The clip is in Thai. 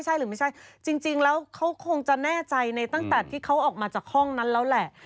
ใช่หรือไม่ใช่จริงแล้วเขาคงจะแน่ใจในตั้งแต่ที่เขาออกมาจากห้องนั้นแล้วแหละ